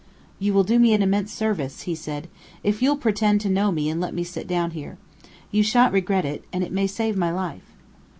"You will do me an immense service," he said, "if you'll pretend to know me and let me sit down here. You sha'n't regret it, and it may save my life."